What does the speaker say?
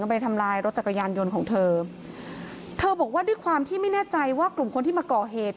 ไปทำลายรถจักรยานยนต์ของเธอเธอบอกว่าด้วยความที่ไม่แน่ใจว่ากลุ่มคนที่มาก่อเหตุ